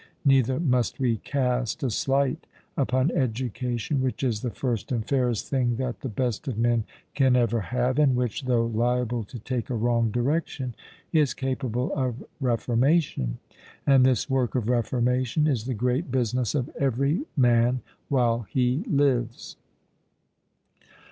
Neither must we cast a slight upon education, which is the first and fairest thing that the best of men can ever have, and which, though liable to take a wrong direction, is capable of reformation. And this work of reformation is the great business of every man while he lives.